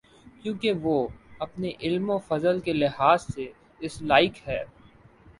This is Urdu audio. کیونکہ وہ اپنے علم و فضل کے لحاظ سے اس لائق ہیں۔